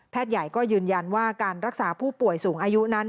ใหญ่ก็ยืนยันว่าการรักษาผู้ป่วยสูงอายุนั้น